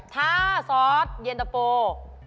ถ้าซอสเย็นตะโฟ